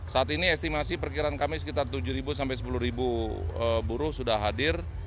saat ini estimasi perkiraan kami sekitar tujuh sampai sepuluh buruh sudah hadir